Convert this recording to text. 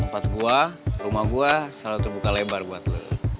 tempat gue rumah gue selalu terbuka lebar buat lo